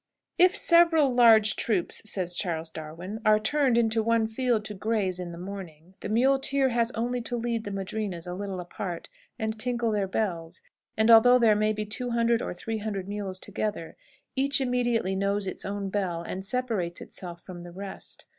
"If several large troops," says Charles Darwin, "are turned into one field to graze in the morning, the muleteer has only to lead the madrinas a little apart and tinkle their bells, and, although there may be 200 or 300 mules together, each immediately knows its own bell, and separates itself from the rest.